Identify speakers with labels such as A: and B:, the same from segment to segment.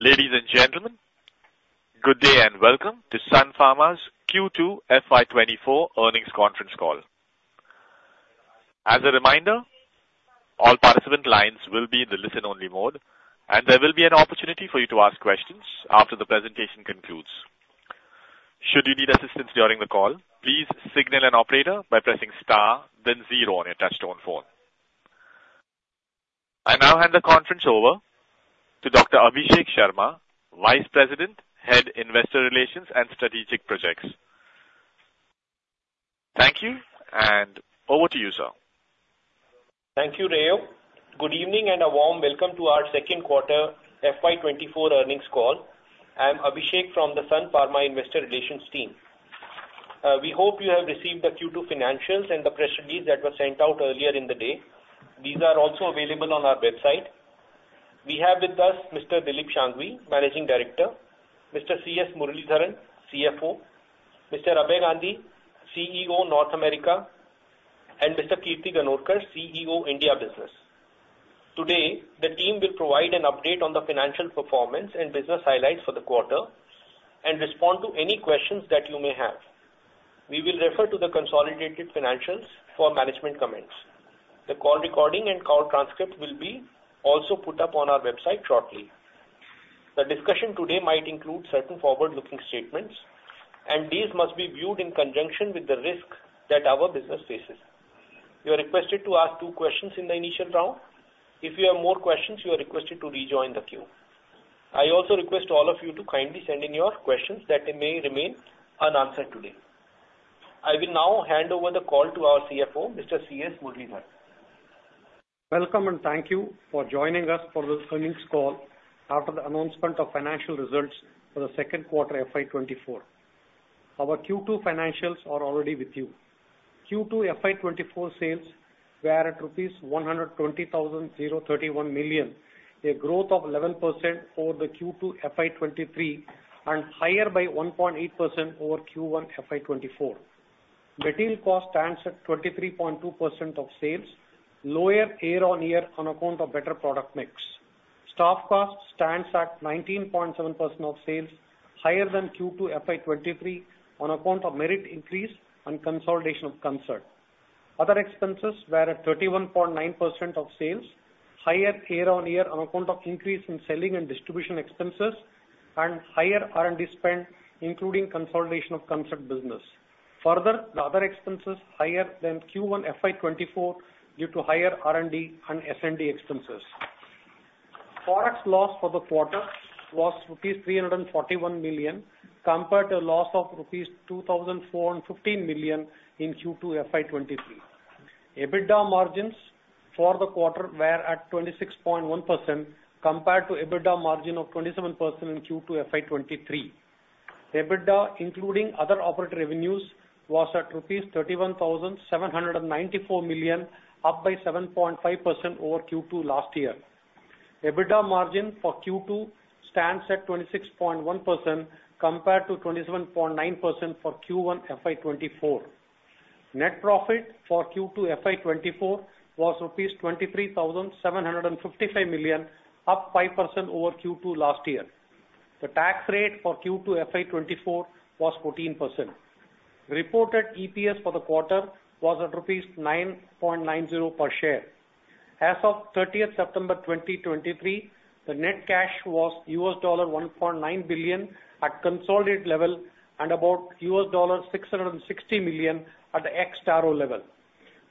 A: Ladies and gentlemen, good day, and welcome to Sun Pharma's Q2 FY 2024 Earnings Conference Call. As a reminder, all participant lines will be in the listen-only mode, and there will be an opportunity for you to ask questions after the presentation concludes. Should you need assistance during the call, please signal an operator by pressing star then zero on your touchtone phone. I now hand the conference over to Dr. Abhishek Sharma, Vice President, Head, Investor Relations and Strategic Projects. Thank you, and over to you, sir.
B: Thank you, Rayo. Good evening, and a warm welcome to our second quarter FY 2024 Earnings Call. I'm Abhishek from the Sun Pharma Investor Relations team. We hope you have received the Q2 financials and the press release that was sent out earlier in the day. These are also available on our website. We have with us Mr. Dilip Shanghvi, Managing Director, Mr. C.S. Muralidharan, CFO, Mr. Abhay Gandhi, CEO, North America, and Mr. Kirti Ganorkar, CEO, India Business. Today, the team will provide an update on the financial performance and business highlights for the quarter and respond to any questions that you may have. We will refer to the consolidated financials for management comments. The call recording and call transcript will be also put up on our website shortly. The discussion today might include certain forward-looking statements, and these must be viewed in conjunction with the risk that our business faces. You are requested to ask two questions in the initial round. If you have more questions, you are requested to rejoin the queue. I also request all of you to kindly send in your questions that may remain unanswered today. I will now hand over the call to our CFO, Mr. C. S. Muralidharan.
C: Welcome, and thank you for joining us for this earnings call after the announcement of financial results for the second quarter FY 2024. Our Q2 financials are already with you. Q2 FY 2024 sales were at rupees 120,031 million, a growth of 11% over the Q2 FY 2023 and higher by 1.8% over Q1 FY 2024. Material cost stands at 23.2% of sales, lower year-on-year on account of better product mix. Staff cost stands at 19.7% of sales, higher than Q2 FY 2023 on account of merit increase and consolidation of Concert. Other expenses were at 31.9% of sales, higher year-on-year on account of increase in selling and distribution expenses and higher R&D spend, including consolidation of Concert business. Further, the other expenses higher than Q1 FY 2024 due to higher R&D and S&D expenses. Forex loss for the quarter was rupees 341 million, compared to a loss of rupees 2,415 million in Q2 FY 2023. EBITDA margins for the quarter were at 26.1%, compared to EBITDA margin of 27% in Q2 FY 2023. EBITDA, including other operating revenues, was at rupees 31,794 million, up by 7.5% over Q2 last year. EBITDA margin for Q2 stands at 26.1%, compared to 27.9% for Q1 FY 2024. Net profit for Q2 FY 2024 was rupees 23,755 million, up 5% over Q2 last year. The tax rate for Q2 FY 2024 was 14%. Reported EPS for the quarter was at rupees 9.90 per share. As of thirtieth September 2023, the net cash was $1.9 billion at consolidated level and about $660 million at the ex-Taro level.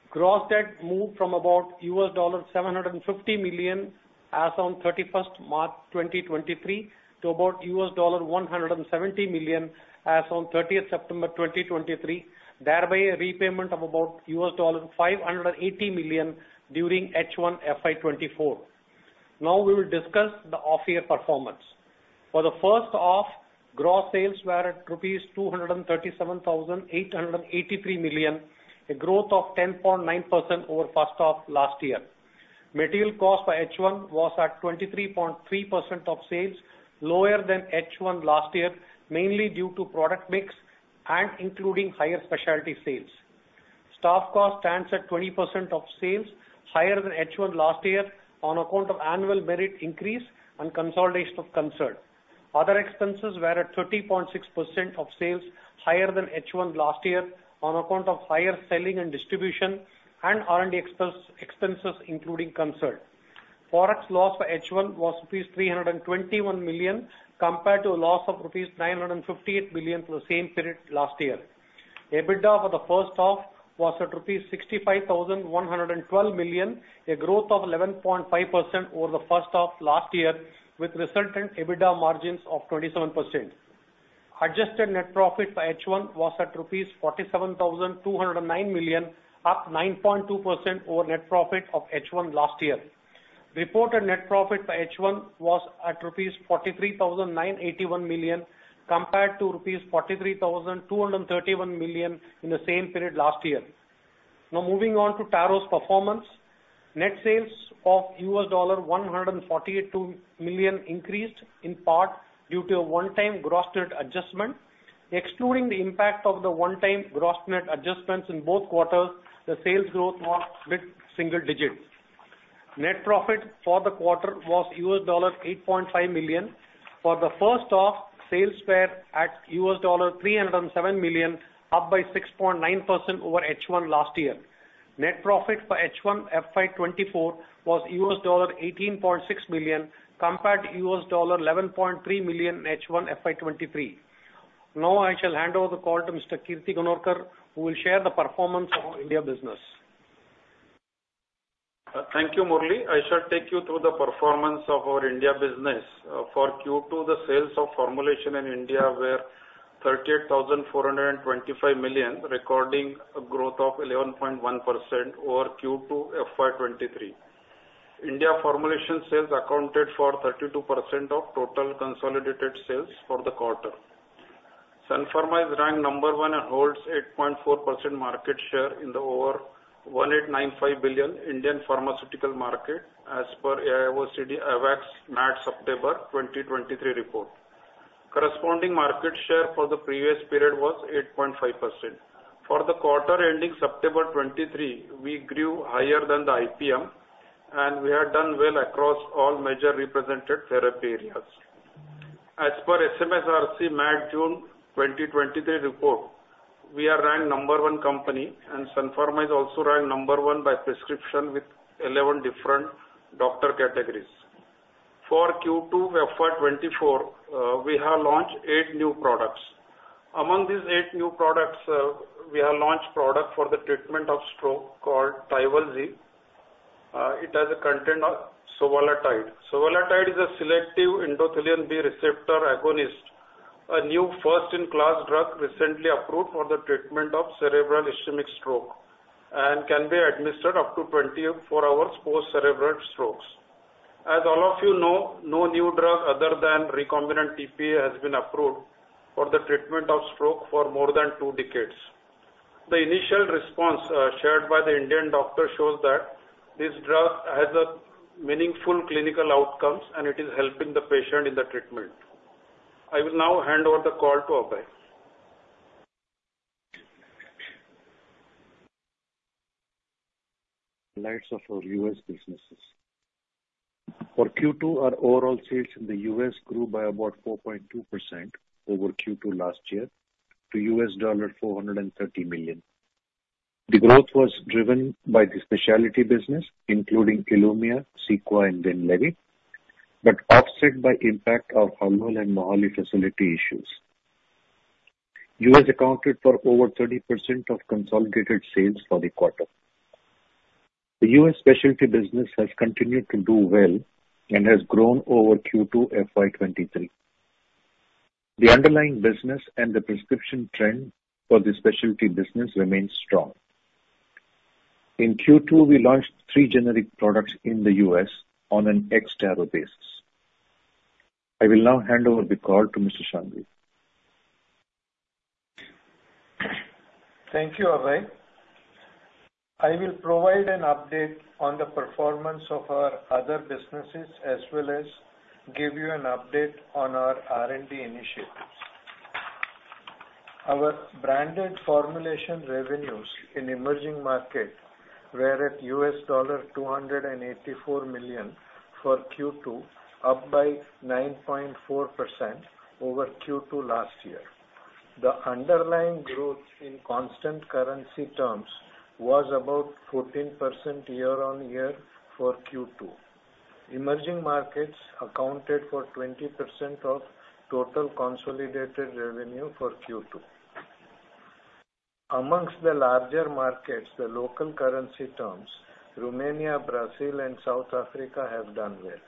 C: Gross debt moved from about $750 million, as on thirty-first March 2023, to about $170 million, as on thirtieth September 2023, thereby a repayment of about $580 million during H1 FY 2024. Now we will discuss the off-year performance. For the first half, gross sales were at rupees 237,883 million, a growth of 10.9% over first half last year. Material cost for H1 was at 23.3% of sales, lower than H1 last year, mainly due to product mix and including higher specialty sales. Staff cost stands at 20% of sales, higher than H1 last year on account of annual merit increase and consolidation of Concert. Other expenses were at 30.6% of sales, higher than H1 last year on account of higher selling and distribution and R&D expenses, including Concert. Forex loss for H1 was rupees 321 million, compared to a loss of rupees 958 million for the same period last year. EBITDA for the first half was at rupees 65,112 million, a growth of 11.5% over the first half last year, with resultant EBITDA margins of 27%. Adjusted net profit for H1 was at rupees 47,209 million, up 9.2% over net profit of H1 last year. Reported net profit for H1 was at rupees 43,981 million, compared to rupees 43,231 million in the same period last year. Now moving on to Taro's performance. Net sales of $142 million increased in part due to a one-time gross net adjustment. Excluding the impact of the one-time gross net adjustments in both quarters, the sales growth was mid-single digits. Net profit for the quarter was $8.5 million. For the first half, sales were at $307 million, up by 6.9% over H1 last year. Net profit for H1 FY 2024 was $18.6 million, compared to $11.3 million in H1 FY 2023. Now, I shall hand over the call to Mr. Kirti Ganorkar, who will share the performance of our India business.
D: Thank you, Murali. I shall take you through the performance of our India business. For Q2, the sales of formulation in India were 38,425 million, recording a growth of 11.1% over Q2 FY 2023. India formulation sales accounted for 32% of total consolidated sales for the quarter. Sun Pharma is ranked number one and holds 8.4% market share in the over 1,895 billion Indian pharmaceutical market as per AIOCD AWACS MAT September 2023 report. Corresponding market share for the previous period was 8.5%. For the quarter ending September 2023, we grew higher than the IPM, and we have done well across all major represented therapy areas. As per SMSRC, MAT June 2023 report, we are ranked number 1 company, and Sun Pharma is also ranked number 1 by prescription with 11 different doctor categories. For Q2 FY 2024, we have launched eight new products. Among these eight new products, we have launched product for the treatment of stroke called Tyvalzi. It has a content of sovateltide. Sovateltide is a selective endothelin B receptor agonist, a new first-in-class drug recently approved for the treatment of cerebral ischemic stroke, and can be administered up to 24 hours post-cerebral strokes. As all of you know, no new drug other than recombinant TPA has been approved for the treatment of stroke for more than two decades. The initial response shared by the Indian doctor shows that this drug has a meaningful clinical outcomes, and it is helping the patient in the treatment. I will now hand over the call to Abhay.
E: Highlights of our US businesses. For Q2, our overall sales in the US grew by about 4.2% over Q2 last year, to $430 million. The growth was driven by the specialty business, including Ilumya, Cequa, and then Winlevi, but offset by impact of Halol and Mohali facility issues. US accounted for over 30% of consolidated sales for the quarter. The US specialty business has continued to do well and has grown over Q2 FY 2023. The underlying business and the prescription trend for the specialty business remains strong. In Q2, we launched three generic products in the US on an ex-Taro basis. I will now hand over the call to Mr. Shanghvi
F: Thank you, Abhay. I will provide an update on the performance of our other businesses, as well as give you an update on our R&D initiatives. Our branded formulation revenues in emerging markets were at $284 million for Q2, up by 9.4% over Q2 last year. The underlying growth in constant currency terms was about 14% year-on-year for Q2. Emerging markets accounted for 20% of total consolidated revenue for Q2. Among the larger markets, the local currency terms, Romania, Brazil and South Africa, have done well.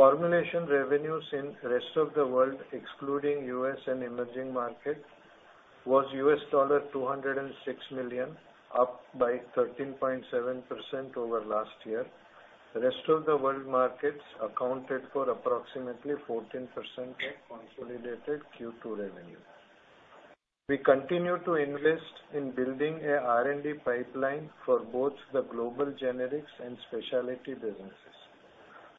F: Formulation revenues in rest of the world, excluding U.S. and emerging markets, was $206 million, up by 13.7% over last year. The rest of the world markets accounted for approximately 14% of consolidated Q2 revenue. We continue to invest in building a R&D pipeline for both the global generics and specialty businesses.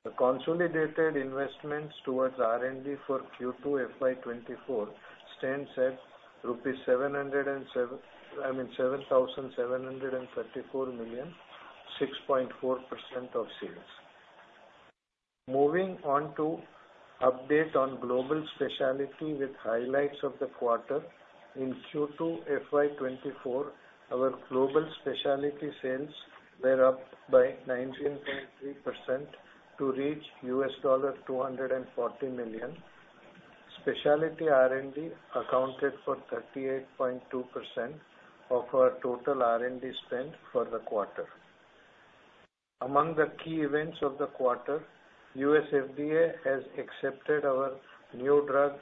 F: The consolidated investments towards R&D for Q2 FY 2024 stands at rupees 707. I mean, 7,734 million, 6.4% of sales. Moving on to update on global specialty with highlights of the quarter. In Q2 FY 2024, our global specialty sales were up by 19.3% to reach $240 million. Specialty R&D accounted for 38.2% of our total R&D spend for the quarter. Among the key events of the quarter, U.S. FDA has accepted our new drug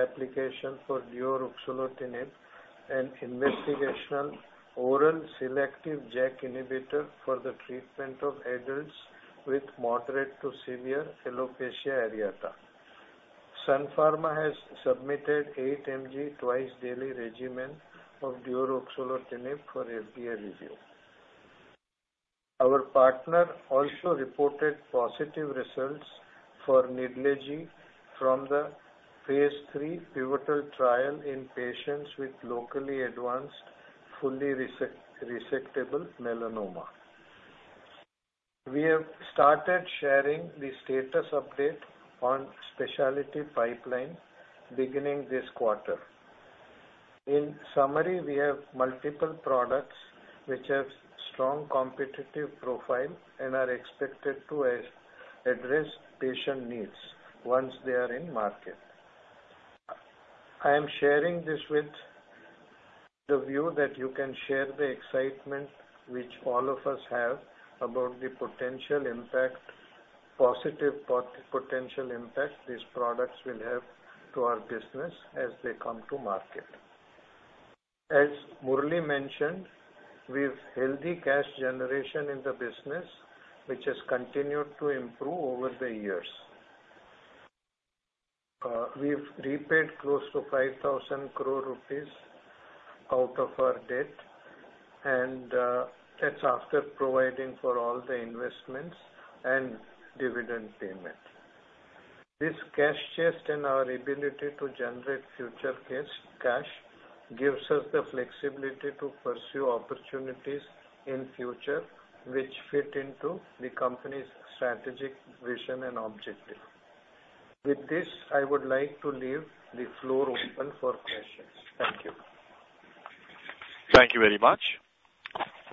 F: application for deuruxolitinib, an investigational oral selective JAK inhibitor for the treatment of adults with moderate to severe alopecia areata. Sun Pharma has submitted 8 mg twice daily regimen of deuruxolitinib for FDA review. Our partner also reported positive results for Nidlegy from the phase 3 pivotal trial in patients with locally advanced, resectable melanoma. We have started sharing the status update on specialty pipeline beginning this quarter. In summary, we have multiple products which have strong competitive profile and are expected to address patient needs once they are in market. I am sharing this with the view that you can share the excitement which all of us have about the potential impact these products will have to our business as they come to market. As Murali mentioned, we've healthy cash generation in the business, which has continued to improve over the years. We've repaid close to 5,000 crore rupees out of our debt, and that's after providing for all the investments and dividend payment. This cash chest and our ability to generate future cash gives us the flexibility to pursue opportunities in future which fit into the company's strategic vision and objective. With this, I would like to leave the floor open for questions. Thank you.
A: Thank you very much.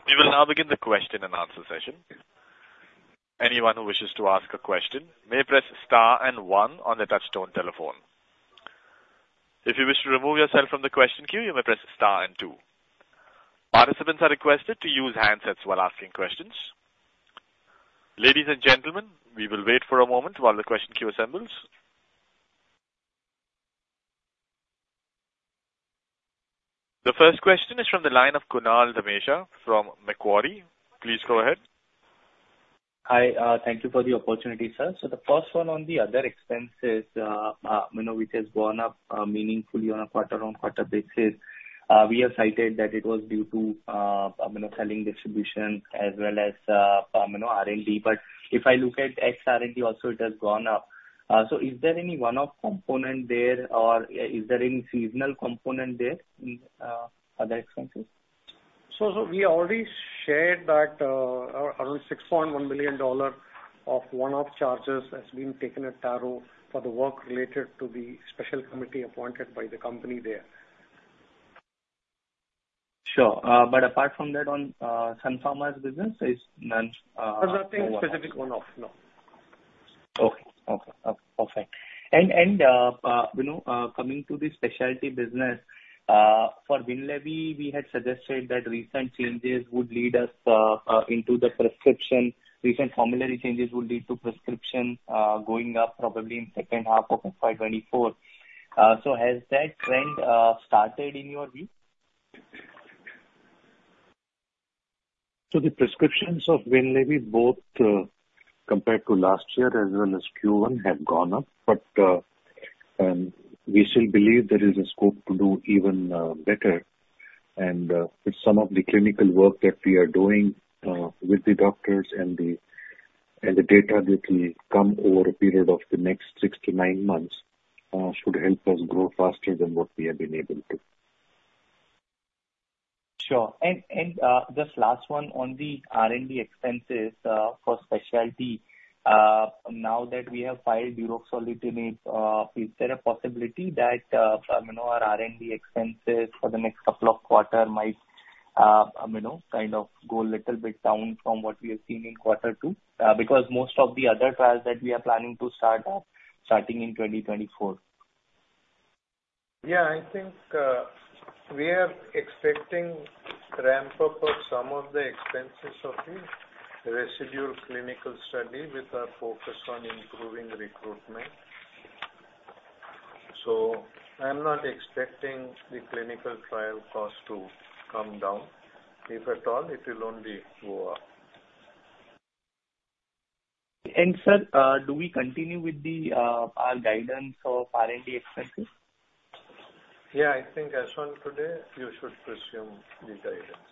A: We will now begin the question-and-answer session. Anyone who wishes to ask a question may press star and one on their touchtone telephone. If you wish to remove yourself from the question queue, you may press star and two. Participants are requested to use handsets while asking questions. Ladies and gentlemen, we will wait for a moment while the question queue assembles. The first question is from the line of Kunal Dhamesha from Macquarie. Please go ahead.
G: Hi, thank you for the opportunity, sir. So the first one on the other expenses, you know, which has gone up meaningfully on a quarter-on-quarter basis. We have cited that it was due to, you know, selling distribution as well as, you know, R&D. But if I look at ex-R&D also, it has gone up. So is there any one-off component there, or is there any seasonal component there in other expenses?
F: We already shared that around $6.1 billion of one-off charges has been taken at Taro for the work related to the special committee appointed by the company there.
G: Sure. But apart from that, on Sun Pharma's business, it's none-
F: There's nothing specific one-off. No.
G: Okay. You know, coming to the specialty business, for Winlevi, we had suggested that recent changes would lead us into the prescription. Recent formulary changes would lead to prescription going up probably in second half of 2024. So has that trend started in your view?
E: So the prescriptions of Winlevi, both compared to last year as well as Q1, have gone up, but we still believe there is a scope to do even better. With some of the clinical work that we are doing with the doctors and the data that will come over a period of the next 6-9 months, should help us grow faster than what we have been able to.
G: Sure. And, and, just last one on the R&D expenses for specialty. Now that we have filed European subsidiary, is there a possibility that, you know, our R&D expenses for the next couple of quarter might, you know, kind of go a little bit down from what we have seen in quarter two? Because most of the other trials that we are planning to start are starting in 2024.
F: Yeah, I think, we are expecting ramp up of some of the expenses of the residual clinical study, with our focus on improving recruitment. So I'm not expecting the clinical trial cost to come down. If at all, it will only go up.
G: Sir, do we continue with our guidance for R&D expenses?
F: Yeah, I think as on today, you should presume the guidance.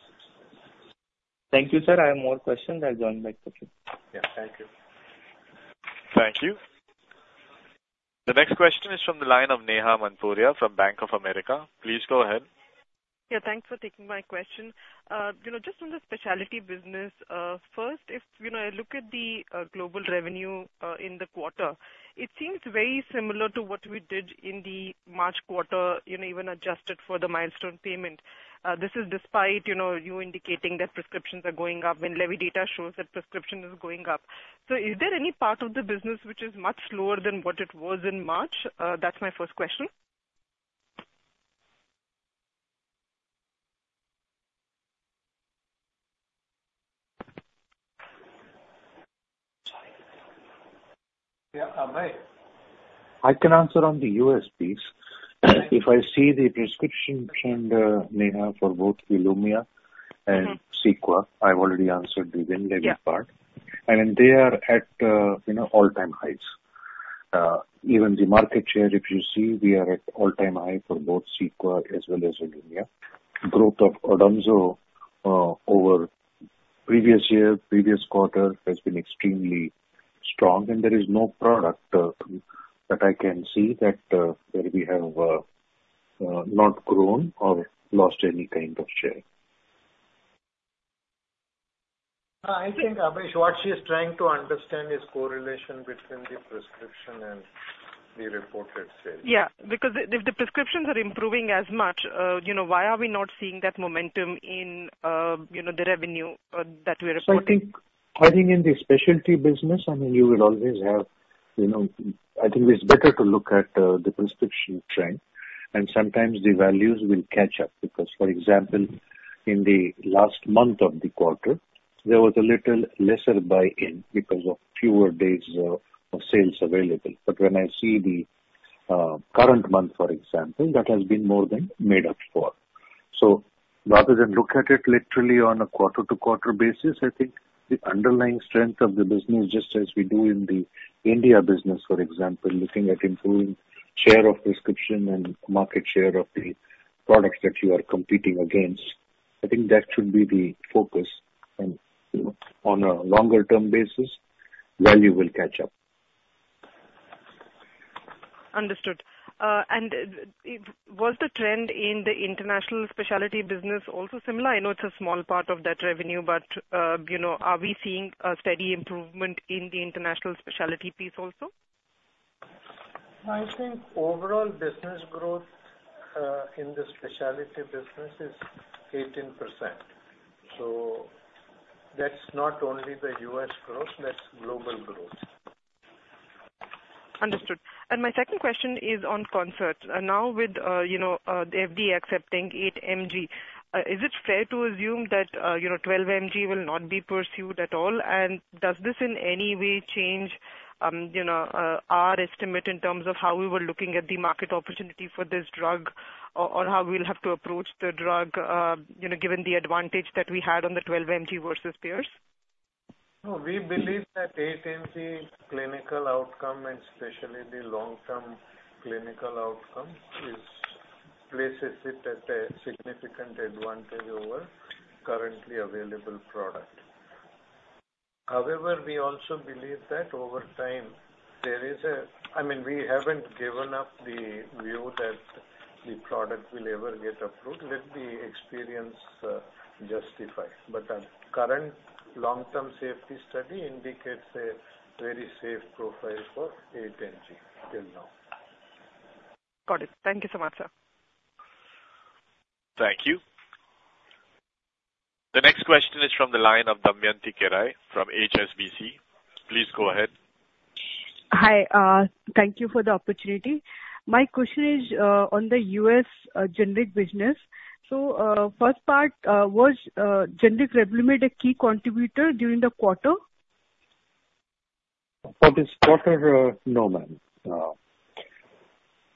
G: Thank you, sir. I have more questions. I'll join back with you.
F: Yeah, thank you.
A: Thank you. The next question is from the line of Neha Manpuria from Bank of America. Please go ahead.
H: Yeah, thanks for taking my question. You know, just on the specialty business, first, if, you know, I look at the global revenue in the quarter, it seems very similar to what we did in the March quarter, you know, even adjusted for the milestone payment. This is despite, you know, you indicating that prescriptions are going up, and IQVIA data shows that prescriptions are going up. So is there any part of the business which is much slower than what it was in March? That's my first question.
F: Yeah, Abhay?
E: I can answer on the U.S. piece. If I see the prescription trend, Neha, for both Ilumya and Cequa, I've already answered the Winlevi part.
H: Yeah.
E: They are at, you know, all-time highs. Even the market share, if you see, we are at all-time high for both Cequa as well as Ilumya. Growth of Odomzo over previous year, previous quarter, has been extremely strong, and there is no product that I can see that not grown or lost any kind of share.
F: I think, Abhishek, what she is trying to understand is correlation between the prescription and the reported sales.
H: Yeah, because if the prescriptions are improving as much, you know, why are we not seeing that momentum in, you know, the revenue that we're reporting?
E: So I think having in the specialty business, I mean, you would always have, you know... I think it's better to look at the prescription trend, and sometimes the values will catch up. Because, for example, in the last month of the quarter, there was a little lesser buy-in because of fewer days of sales available. But when I see the current month, for example, that has been more than made up for. So rather than look at it literally on a quarter-to-quarter basis, I think the underlying strength of the business, just as we do in the India business, for example, looking at improving share of prescription and market share of the products that you are competing against, I think that should be the focus. And, you know, on a longer term basis, value will catch up.
H: Understood. Was the trend in the international specialty business also similar? I know it's a small part of that revenue, but, you know, are we seeing a steady improvement in the international specialty piece also?
F: I think overall business growth in the specialty business is 18%. So that's not only the U.S. growth, that's global growth.
H: Understood. My second question is on Concert. And now with, you know, the FDA accepting eight mg, is it fair to assume that, you know, 12 mg will not be pursued at all? And does this in any way change, you know, our estimate in terms of how we were looking at the market opportunity for this drug, or, or how we'll have to approach the drug, you know, given the advantage that we had on the 12 mg versus peers?
F: No, we believe that eight mg clinical outcome, and especially the long-term clinical outcome, is... places it at a significant advantage over currently available product. However, we also believe that over time, there is a I mean, we haven't given up the view that the product will ever get approved, let the experience justify. But our current long-term safety study indicates a very safe profile for 8 mg until now.
H: Got it. Thank you so much, sir.
A: Thank you. The next question is from the line of Damayanti Kerai from HSBC. Please go ahead.
I: Hi, thank you for the opportunity. My question is on the U.S. generic business. So, first part, was generic Revlimid a key contributor during the quarter?
E: For this quarter, no, ma'am.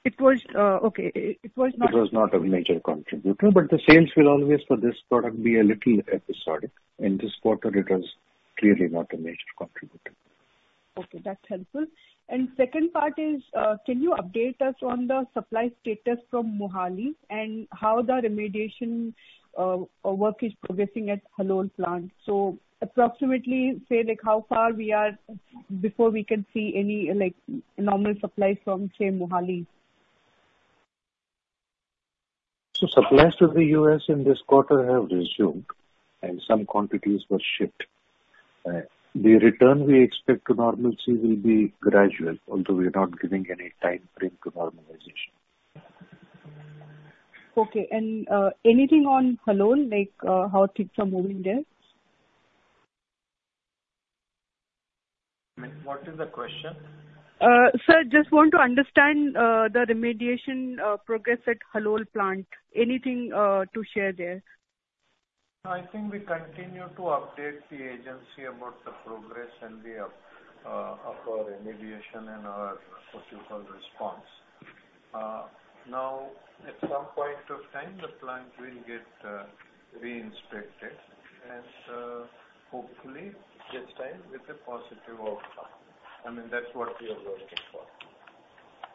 I: It was okay, it was
E: It was not a major contributor, but the sales will always, for this product, be a little episodic. In this quarter, it was clearly not a major contributor.
I: Okay, that's helpful. And second part is, can you update us on the supply status from Mohali, and how the remediation, work is progressing at Halol plant? So approximately, say, like, how far we are before we can see any, like, normal supply from say, Mohali.
E: So supplies to the U.S. in this quarter have resumed, and some quantities were shipped. The return we expect to normalcy will be gradual, although we are not giving any timeframe to normalization.
I: Okay. And, anything on Halol, like, how things are moving there?
F: What is the question?
I: Sir, just want to understand the remediation progress at Halol plant. Anything to share there?
F: I think we continue to update the agency about the progress and the of our remediation and our so-called response. Now, at some point of time, the plant will get re-inspected and hopefully get signed with a positive outcome. I mean, that's what we are working for.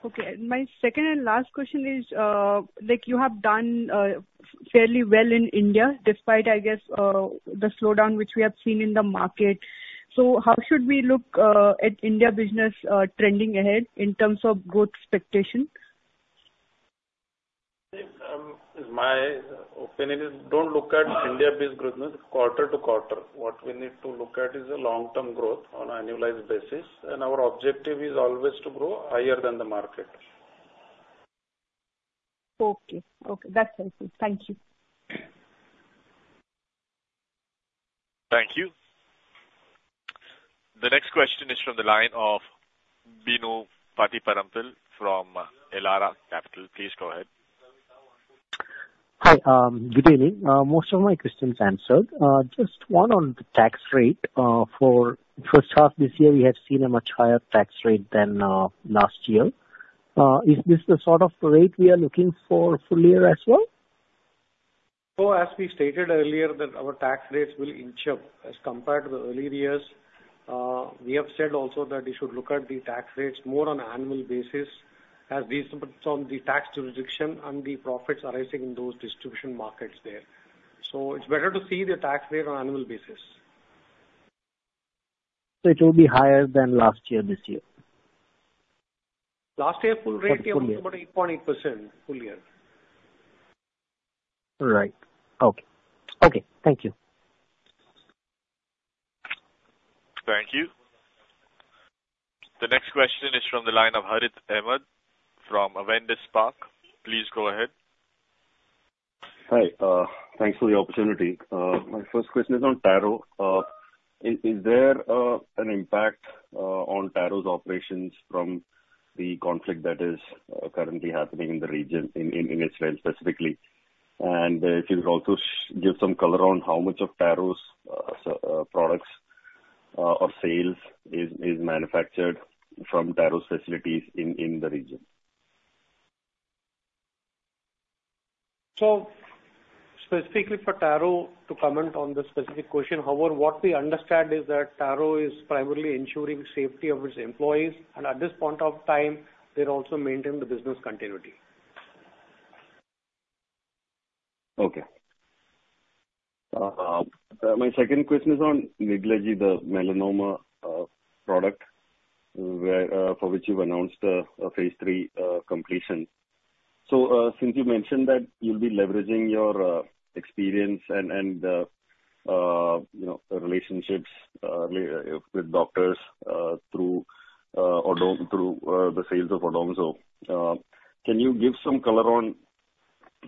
I: Okay. My second and last question is, like, you have done fairly well in India, despite, I guess, the slowdown which we have seen in the market. So how should we look at India business trending ahead in terms of growth expectations?
F: My opinion is don't look at India-based business quarter to quarter. What we need to look at is the long-term growth on an annualized basis, and our objective is always to grow higher than the market.
I: Okay. Okay, that's helpful. Thank you.
A: Thank you. The next question is from the line of Bino Pathiparampil from Elara Capital. Please go ahead.
J: Hi, good evening. Most of my questions answered. Just one on the tax rate. For first half this year, we have seen a much higher tax rate than last year. Is this the sort of rate we are looking for full year as well?
F: So as we stated earlier, that our tax rates will inch up as compared to the earlier years. We have said also that you should look at the tax rates more on annual basis, as based on the tax jurisdiction and the profits arising in those distribution markets there. So it's better to see the tax rate on annual basis.
J: So it will be higher than last year, this year?
F: Last year, full rate was about 8.8%, full year.
J: Right. Okay. Okay, thank you.
A: Thank you. The next question is from the line of Harith Ahamed from Avendus Spark. Please go ahead.
K: Hi, thanks for the opportunity. My first question is on Taro. Is there an impact on Taro's operations from the conflict that is currently happening in the region, in Israel specifically? And if you could also give some color on how much of Taro's products or sales is manufactured from Taro's facilities in the region.
F: Specifically for Taro, to comment on the specific question. However, what we understand is that Taro is primarily ensuring safety of its employees, and at this point of time, they'll also maintain the business continuity.
K: Okay. My second question is on Nidlegy, the melanoma product, where for which you've announced a phase three completion. So, since you mentioned that you'll be leveraging your experience and you know relationships with doctors through the sales of Odomzo. Can you give some color on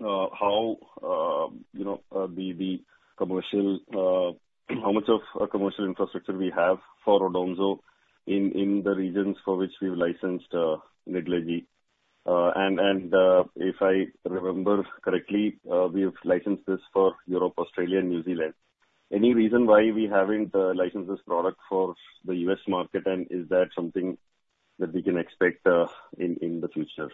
K: how you know the commercial how much of a commercial infrastructure we have for Odomzo in the regions for which we've licensed Nidlegy? And if I remember correctly, we have licensed this for Europe, Australia, and New Zealand. Any reason why we haven't licensed this product for the U.S. market, and is that something that we can expect in the future?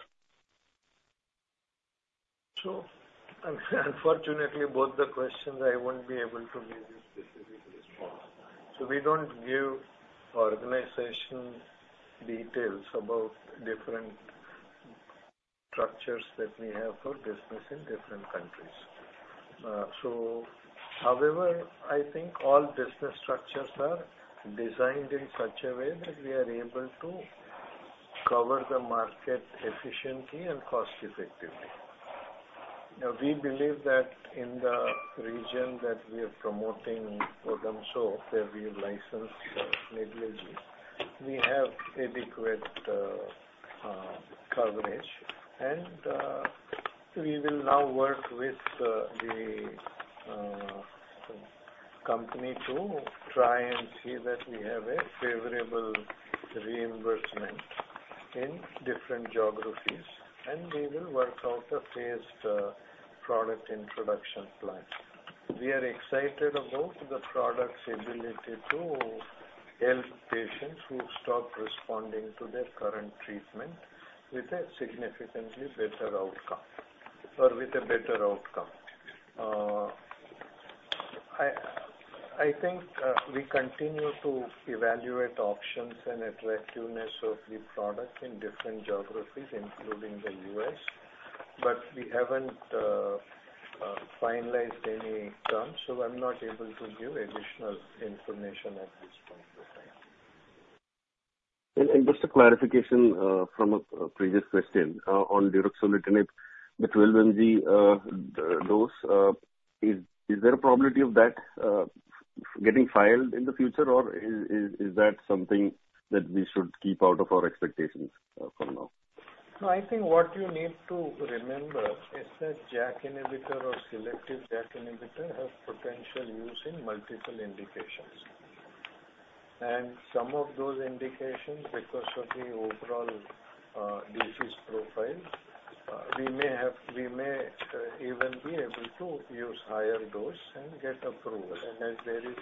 F: Unfortunately, both the questions I won't be able to give you specific response. We don't give organization details about different structures that we have for business in different countries. However, I think all business structures are designed in such a way that we are able to cover the market efficiently and cost effectively. Now, we believe that in the region that we are promoting Odomzo, where we have licensed Nidlegy, we have adequate coverage. And we will now work with the company to try and see that we have a favorable reimbursement in different geographies, and we will work out a phased product introduction plan. We are excited about the product's ability to help patients who stopped responding to their current treatment, with a significantly better outcome, or with a better outcome. I think we continue to evaluate options and attractiveness of the product in different geographies, including the US, but we haven't finalized any terms, so I'm not able to give additional information at this point in time.
K: Just a clarification from a previous question on deuruxolitinib, the 12 mg dose. Is there a probability of that getting filed in the future, or is that something that we should keep out of our expectations for now?
F: So I think what you need to remember is that JAK inhibitor or selective JAK inhibitor have potential use in multiple indications. And some of those indications, because of the overall disease profile, we may even be able to use higher dose and get approval. And as there is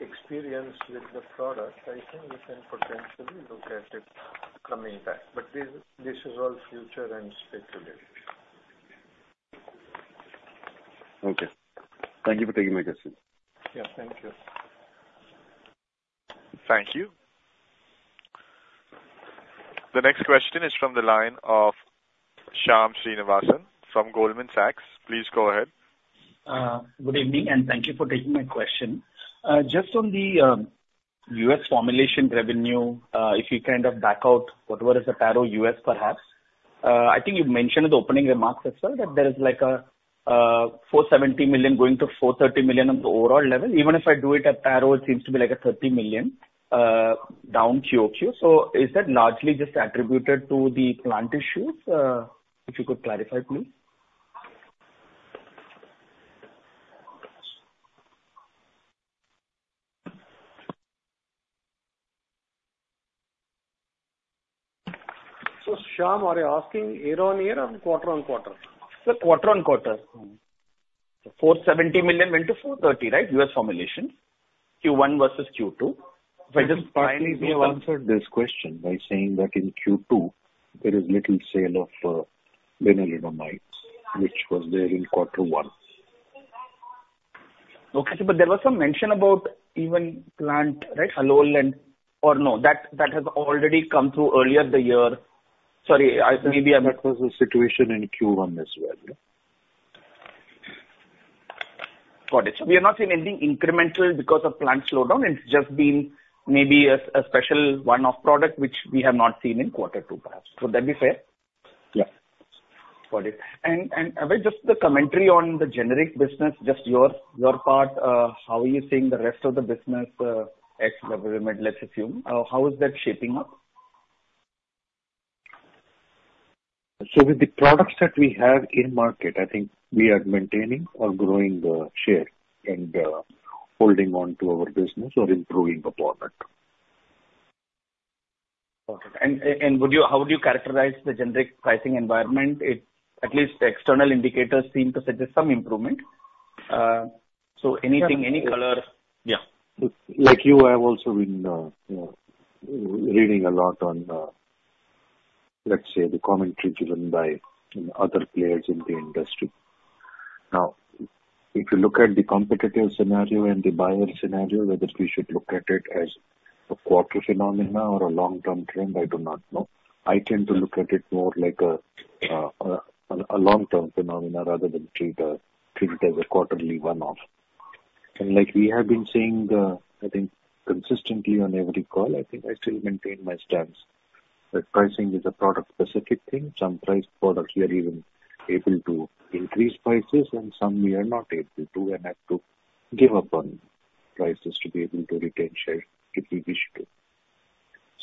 F: experience with the product, I think we can potentially look at it coming back. But this is all future and speculative.
K: Okay. Thank you for taking my question.
F: Yeah. Thank you.
L: Thank you. The next question is from the line of Shyam Srinivasan from Goldman Sachs. Please go ahead. Good evening, and thank you for taking my question. Just on the US formulation revenue, if you kind of back out whatever is the Taro US, perhaps. I think you've mentioned in the opening remarks as well, that there is like a $470 million to $430 million on the overall level. Even if I do it at Taro, it seems to be like a $30 million down QoQ. So is that largely just attributed to the plant issues? If you could clarify, please.
F: So, Shyam, are you asking year-over-year or quarter-over-quarter?
M: Sir, quarter-on-quarter. $470 million went to $430 million, right? US formulation Q1 versus Q2. If I just
E: Partly, we answered this question by saying that in Q2, there is little sale of lenalidomide, which was there in quarter one.
M: Okay. But there was some mention about the plant, right? Halol plant or no, that has already come through earlier this year. Sorry, I maybe I'm
E: That was the situation in Q1 as well.
M: Got it. So we are not seeing anything incremental because of plant slowdown. It's just been maybe a special one-off product, which we have not seen in quarter two, perhaps. Would that be fair?
E: Yeah.
M: Got it. And just the commentary on the generic business, just your part, how are you seeing the rest of the business, ex the Revlimid, let's assume. How is that shaping up?
E: So with the products that we have in market, I think we are maintaining or growing the share and, holding on to our business or improving the product.
M: Okay. Would you, how would you characterize the generic pricing environment? It. At least the external indicators seem to suggest some improvement. So anything, any color? Yeah.
E: Like you, I've also been reading a lot on, let's say, the commentary driven by other players in the industry. Now, if you look at the competitive scenario and the buyer scenario, whether we should look at it as a quarter phenomenon or a long-term trend, I do not know. I tend to look at it more like a long-term phenomenon rather than treat it as a quarterly one-off. And like we have been saying, I think consistently on every call, I think I still maintain my stance, that pricing is a product-specific thing. Some priced products we are even able to increase prices, and some we are not able to, and have to give up on prices to be able to retain share, if we wish to.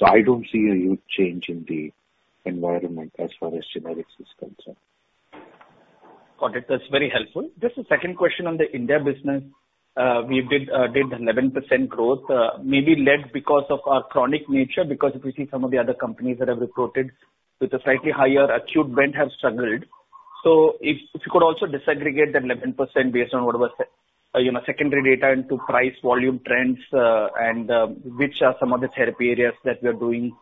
E: I don't see a huge change in the environment as far as generics is concerned.
M: Got it. That's very helpful. Just a second question on the India business. We did 11% growth, maybe led because of our chronic nature, because if you see some of the other companies that have reported with a slightly higher acute bent have struggled. So if you could also disaggregate the 11% based on what was, you know, secondary data into price, volume trends, and which are some of the therapy areas that we are doing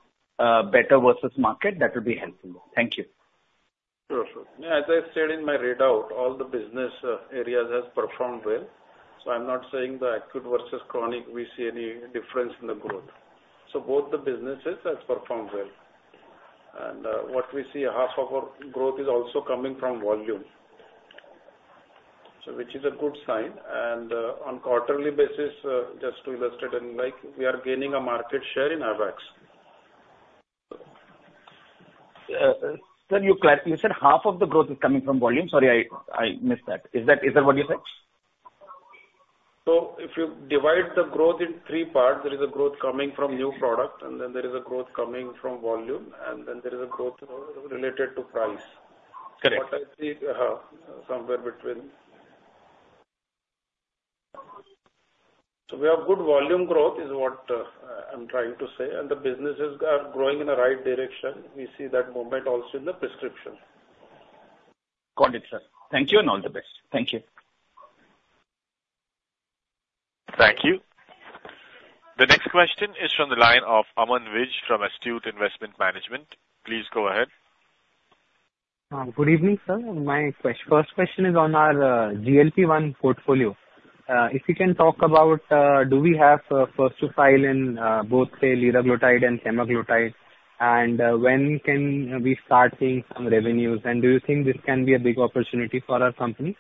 M: better versus market, that would be helpful. Thank you.
F: Sure, sure. As I said in my readout, all the business areas has performed well, so I'm not saying the acute versus chronic, we see any difference in the growth. So both the businesses has performed well. And, what we see, half of our growth is also coming from volume. So which is a good sign, and, on quarterly basis, just to illustrate, and like, we are gaining a market share in AIOCD AWACS.
M: Sir, you correctly said half of the growth is coming from volume. Sorry, I missed that. Is that what you said?
F: So if you divide the growth in three parts, there is a growth coming from new products, and then there is a growth coming from volume, and then there is a growth related to price.
M: Correct.
F: What I see, somewhere between so we have good volume growth, is what, I'm trying to say, and the businesses are growing in the right direction. We see that moment also in the prescription.
M: Got it, sir. Thank you, and all the best. Thank you.
A: Thank you. The next question is from the line of Aman Vij from Astute Investment Management. Please go ahead.
N: Good evening, sir. My first question is on our GLP-1 portfolio. If you can talk about, do we have first to file in both, say, liraglutide and semaglutide? And when can we start seeing some revenues? And do you think this can be a big opportunity for our company?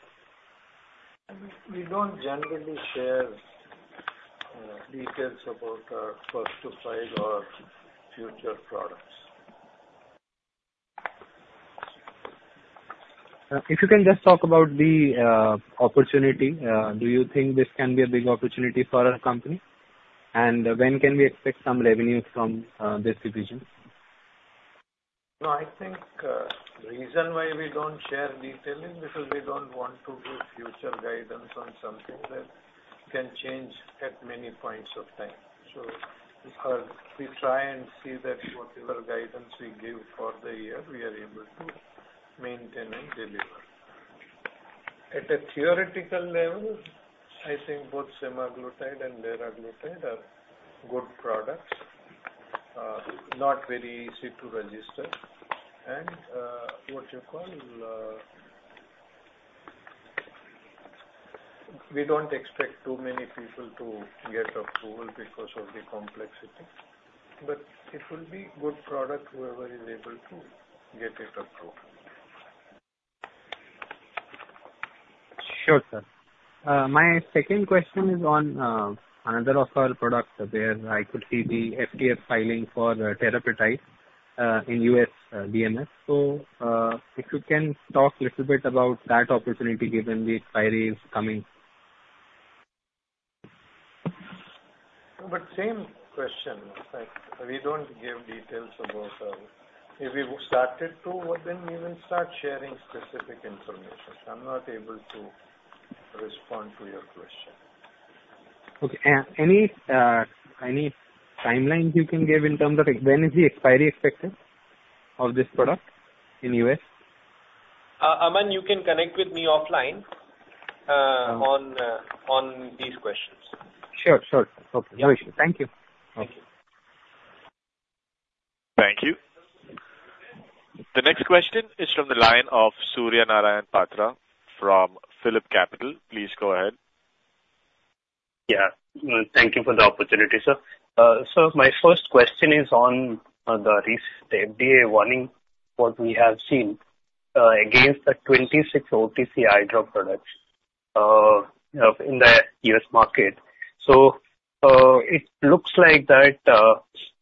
F: We don't generally share details about our first to file or future products.
N: If you can just talk about the opportunity, do you think this can be a big opportunity for our company? When can we expect some revenues from this division?
F: No, I think the reason why we don't share detailing, because we don't want to give future guidance on something that can change at many points of time. So because we try and see that whatever guidance we give for the year, we are able to maintain and deliver. At a theoretical level, I think both semaglutide and liraglutide are good products, not very easy to register. And, what you call... We don't expect too many people to get approval because of the complexity, but it will be good product, whoever is able to get it approved.
N: Sure, sir. My second question is on another of our products, where I could see the FDA filing for the teriparatide in U.S. BMS. So, if you can talk a little bit about that opportunity, given the expiry is coming.
F: But same question, like, we don't give details about. If we started to, well, then we will start sharing specific information. So I'm not able to respond to your question.
N: Okay. And any timelines you can give in terms of like when is the expiry expected of this product in the U.S.?
E: Aman, you can connect with me offline, on these questions.
N: Sure, sure. Okay.
E: Yeah.
N: Thank you. Thank you.
A: Thank you. The next question is from the line of Surya Narayan Patra from Phillip Capital. Please go ahead.
O: Yeah. Thank you for the opportunity, sir. So my first question is on the recent FDA warning, what we have seen, against the 26 OTC eye drop products in the U.S. market. So it looks like that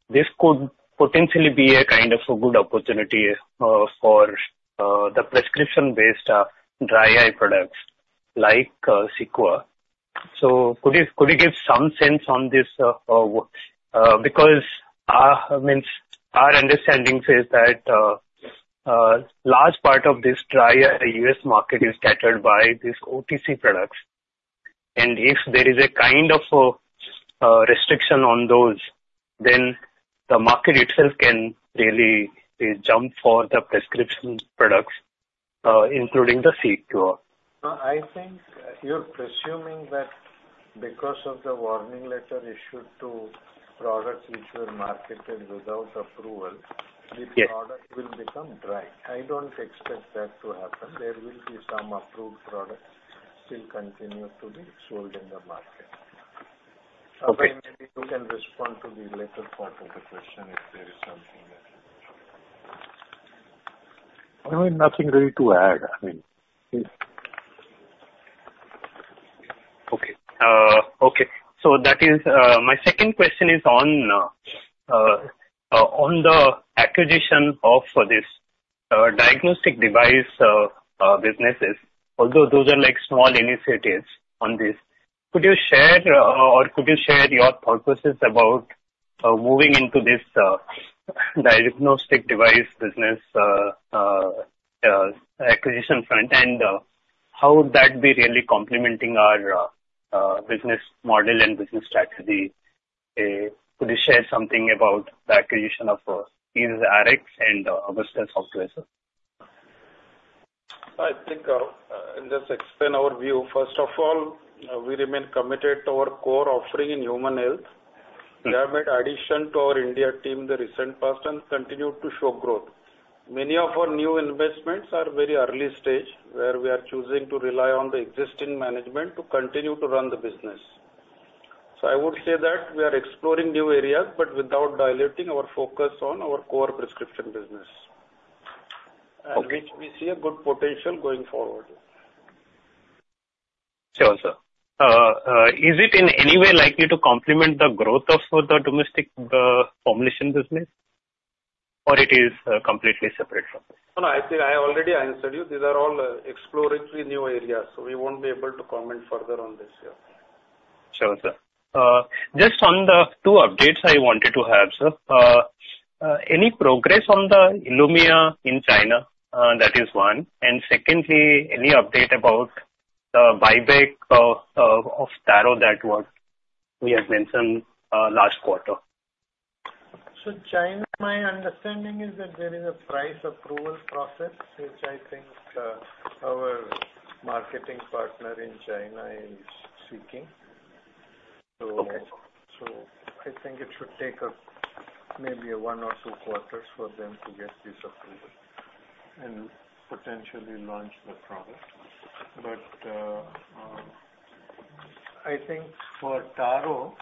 O: this could potentially be a kind of a good opportunity for the prescription-based dry eye products like Cequa. So could you, could you give some sense on this because means, our understanding says that large part of this dry eye U.S. market is scattered by these OTC products, and if there is a kind of restriction on those, then the market itself can really jump for the prescription products including the Cequa.
F: No, I think you're presuming that because of the warning letter issued to products which were marketed without approval-
O: Yes.
F: The product will become dry. I don't expect that to happen. There will be some approved products still continue to be sold in the market.
O: Okay.
F: Maybe you can respond to the latter part of the question, if there is something that...
D: I mean, nothing really to add. I mean.
O: Okay. Okay. So that is my second question is on the acquisition of this diagnostic device businesses. Although those are like small initiatives on this, could you share, or could you share your purposes about moving into this diagnostic device business acquisition front? And, how would that be really complementing our business model and business strategy? Could you share something about the acquisition of Ezerx and Agatsa Software, sir?
D: I think, I'll just explain our view. First of all, we remain committed to our core offering in human health. We have made addition to our India team in the recent past and continue to show growth. Many of our new investments are very early stage, where we are choosing to rely on the existing management to continue to run the business. So I would say that we are exploring new areas, but without diluting our focus on our core prescription business
O: Okay
D: And which we see a good potential going forward.
O: Sure, sir. Is it in any way likely to complement the growth of the domestic formulation business, or it is completely separate from it?
D: No, I think I already answered you. These are all exploratory new areas, so we won't be able to comment further on this year.
O: Sure, sir. Just on the two updates I wanted to have, sir. Any progress on the Ilumya in China? That is one. And secondly, any update about the buyback of Taro that was... we had mentioned last quarter?
F: China, my understanding is that there is a price approval process, which I think, our marketing partner in China is seeking.
O: Okay.
F: So, I think it should take maybe one or two quarters for them to get this approval and potentially launch the product. But, I think for Taro,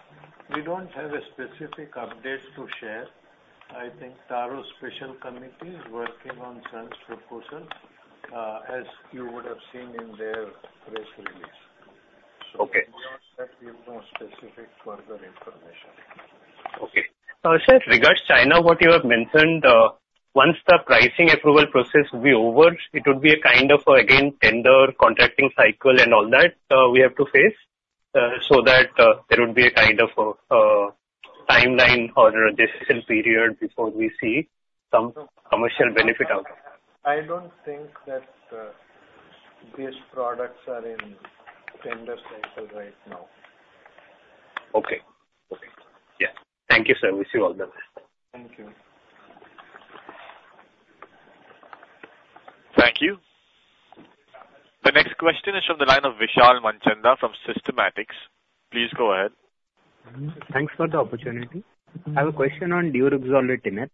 F: we don't have a specific update to share. I think Taro's special committee is working on some proposals, as you would have seen in their press release.
O: Okay.
F: So beyond that, we have no specific further information.
O: Okay. Sir, regarding China, what you have mentioned, once the pricing approval process will be over, it would be a kind of, again, tender contracting cycle and all that, we have to face, so that, there would be a kind of, timeline or a decision period before we see some commercial benefit out of that?
F: I don't think that, these products are in tender cycle right now.
O: Okay. Okay. Yeah. Thank you, sir. We see all them.
F: Thank you.
A: Thank you. The next question is from the line of Vishal Manchanda from Systematix. Please go ahead.
P: Thanks for the opportunity. I have a question on deuruxolitinib.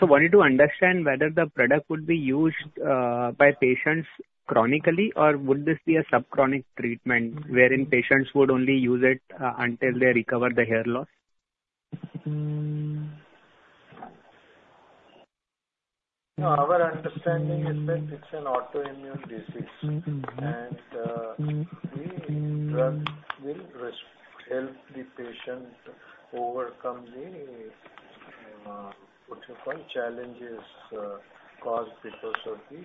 P: So wanted to understand whether the product would be used by patients chronically, or would this be a subchronic treatment, wherein patients would only use it until they recover the hair loss?
F: Our understanding is that it's an autoimmune disease and the drug will help the patient overcome the what you call challenges caused because of the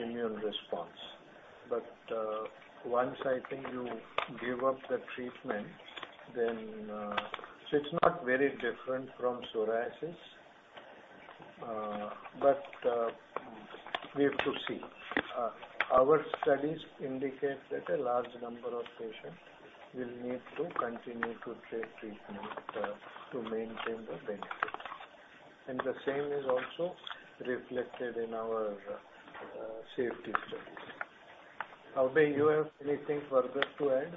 F: immune response. But once I think you give up the treatment, then so it's not very different from psoriasis, but we have to see our studies indicate that a large number of patients will need to continue to take treatment to maintain the benefit. And the same is also reflected in our safety studies. Abhay, you have anything further to add?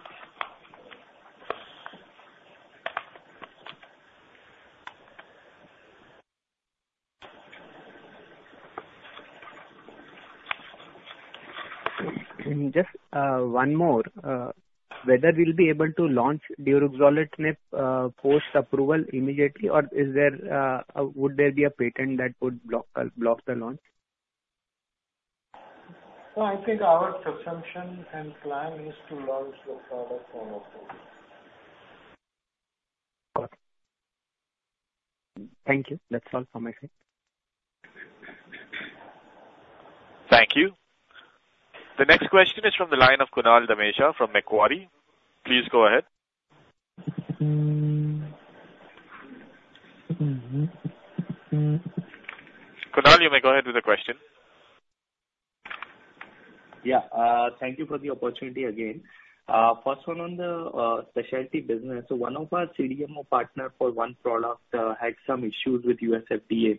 P: Just, one more, whether we'll be able to launch deuruxolitinib post-approval immediately, or is there, would there be a patent that would block the launch?
F: Well, I think our presumption and plan is to launch the product on approval.
P: Got it. Thank you. That's all from my side.
A: Thank you. The next question is from the line of Kunal Dhamesha from Macquarie. Please go ahead. Kunal, you may go ahead with the question.
G: Yeah, thank you for the opportunity again. First one on the specialty business. So one of our CDMO partner for one product had some issues with U.S. FDA.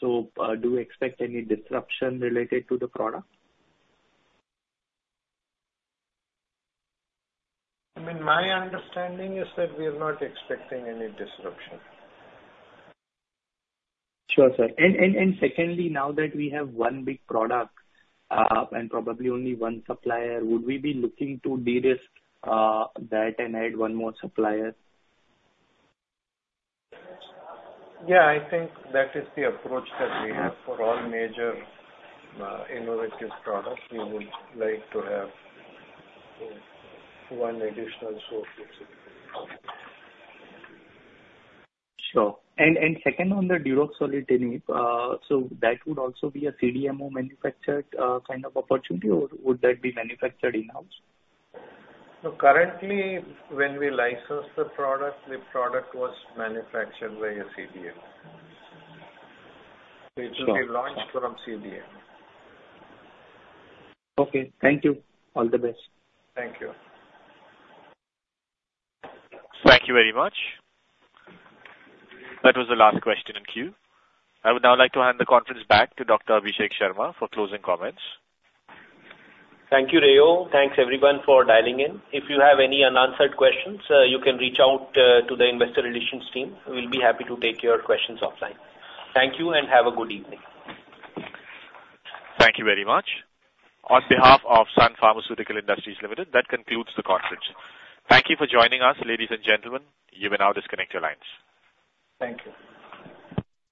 G: So, do you expect any disruption related to the product?
F: I mean, my understanding is that we are not expecting any disruption.
G: Sure, sir. And secondly, now that we have one big product, and probably only one supplier, would we be looking to de-risk that and add one more supplier?
F: Yeah, I think that is the approach that we have for all major, innovative products. We would like to have one additional source of supply.
G: Sure. And second, on the deuruxolitinib, so that would also be a CDMO manufactured kind of opportunity, or would that be manufactured in-house?
F: Currently, when we licensed the product, the product was manufactured by a CDMO.
G: Sure.
F: It will be launched from CDMO.
G: Okay. Thank you. All the best.
F: Thank you.
A: Thank you very much. That was the last question in queue. I would now like to hand the conference back to Dr. Abhishek Sharma for closing comments.
B: Thank you, Rayo. Thanks, everyone, for dialing in. If you have any unanswered questions, you can reach out to the investor relations team. We'll be happy to take your questions offline. Thank you, and have a good evening.
A: Thank you very much. On behalf of Sun Pharmaceutical Industries Limited, that concludes the conference. Thank you for joining us, ladies and gentlemen. You may now disconnect your lines.
F: Thank you.